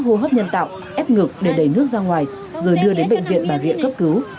hô hấp nhân tạo ép ngực để đẩy nước ra ngoài rồi đưa đến bệnh viện bà rịa cấp cứu